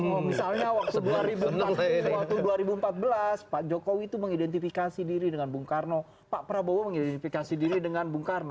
oh misalnya waktu dua ribu empat belas pak jokowi itu mengidentifikasi diri dengan bung karno pak prabowo mengidentifikasi diri dengan bung karno